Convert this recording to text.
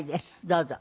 どうぞ。